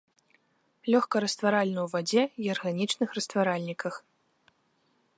Лёгка растваральны ў вадзе і арганічных растваральніках.